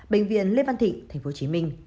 bệnh viện lê văn thịnh tp hcm